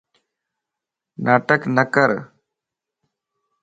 ناٽڪ نڪر